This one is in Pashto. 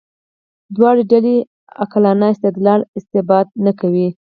دواړه ډلې عقلاني استدلال اثبات نه کوي.